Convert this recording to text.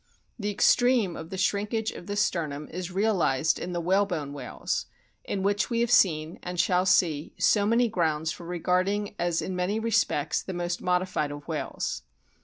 The extreme of the shrinkage of the sternum is realised in the whalebone whales, in which we have seen, and shall see, so many grounds for regarding as in many respects the most modified of whales.